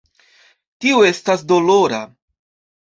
Tio estas dolora.